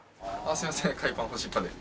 すいません海パン干しっぱで。